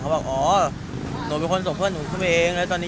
หนูว่าหนูคนส่งเพื่อนหนูขึ้นไปเองแล้วตรงนี้